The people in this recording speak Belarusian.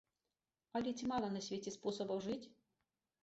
Але ці мала на свеце спосабаў жыць?